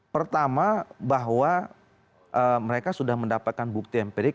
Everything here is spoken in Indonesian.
pertama bahwa mereka sudah mendapatkan bukti empirik